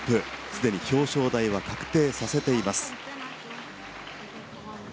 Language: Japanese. すでに表彰台は確定させています。